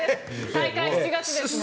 大会７月ですもんね。